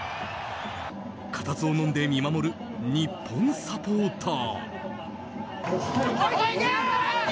固唾をのんで見守る日本サポーター。